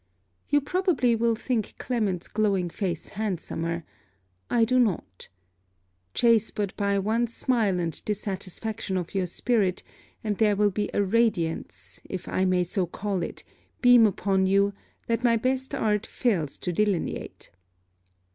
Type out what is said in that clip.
You probably will think Clement's glowing face handsomer: I do not. Chase but by one smile and dissatisfaction of your spirit, and there will a radiance, if I may so call it, beam upon you, that my best art fails to delineate.